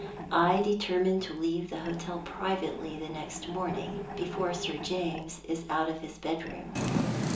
I determine to leave the hotel privately the next morning before Sir James is out of his bedroom.